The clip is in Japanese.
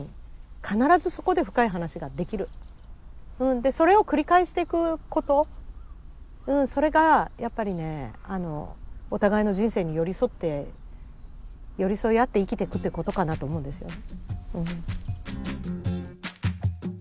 でそれを繰り返していくことそれがやっぱりねお互いの人生に寄り添って寄り添い合って生きてくってことかなと思うんですよね。